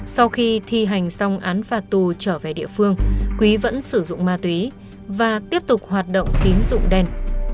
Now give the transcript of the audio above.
sau khi thi hành xong án phạt tù trở về địa phương quý vẫn sử dụng ma túy và tiếp tục hoạt động tín dụng đen